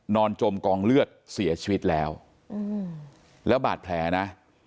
จมกองเลือดเสียชีวิตแล้วแล้วบาดแผลนะ